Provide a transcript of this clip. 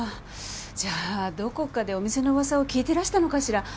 じゃあどこかでお店の噂を聞いてらしたのかしら？